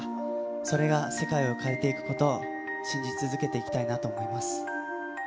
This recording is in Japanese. それが世界を変えていくことを信じ続けていきたいなと思います。